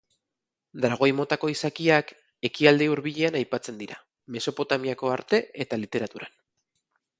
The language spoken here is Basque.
Dragoi-motako izakiak Ekialde Hurbilean aipatzen dira, Mesopotamiako arte eta literaturan.